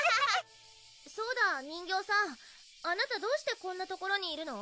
そうだ人形さんあなたどうしてこんな所にいるの？